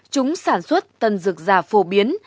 chúng sản xuất tân dược già phổ biến